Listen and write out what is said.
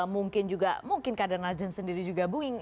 mungkin juga mungkin kadang nasdem sendiri juga bingung